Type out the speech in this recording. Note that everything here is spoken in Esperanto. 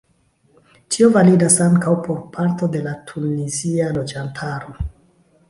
Tio validas ankaŭ por parto de la tunizia loĝantaro.